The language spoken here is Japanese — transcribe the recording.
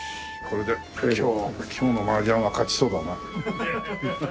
これで今日のマージャンは勝ちそうだな。